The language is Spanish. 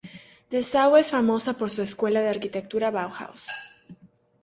Dessau es famosa por su Escuela de arquitectura Bauhaus.